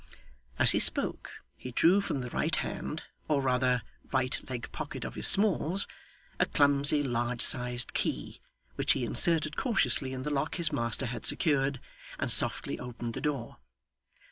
As he spoke, he drew from the right hand, or rather right leg pocket of his smalls, a clumsy large sized key, which he inserted cautiously in the lock his master had secured, and softly opened the door.